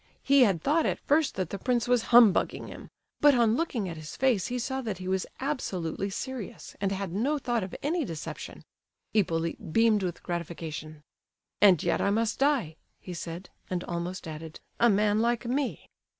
He had thought at first that the prince was "humbugging" him; but on looking at his face he saw that he was absolutely serious, and had no thought of any deception. Hippolyte beamed with gratification. "And yet I must die," he said, and almost added: "a man like me!